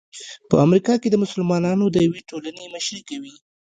په امریکا کې د مسلمانانو د یوې ټولنې مشري کوي.